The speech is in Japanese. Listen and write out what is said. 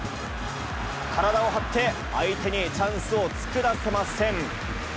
体を張って相手にチャンスを作らせません。